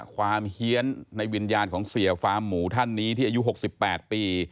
เฮียนในวิญญาณของเสียฟาร์มหมูท่านนี้ที่อายุ๖๘ปี